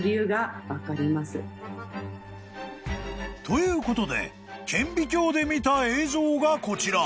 ［ということで顕微鏡で見た映像がこちら］